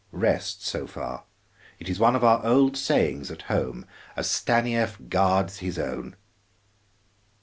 Rest so far; it is one of our old sayings at home: 'A Stanief guards his own!'"